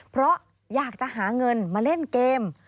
เพราะอยากจะหาเงินมาเล่นเกม